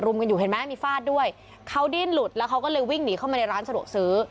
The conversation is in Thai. กันอยู่เห็นไหมมีฟาดด้วยเขาดิ้นหลุดแล้วเขาก็เลยวิ่งหนีเข้ามาในร้านสะดวกซื้อ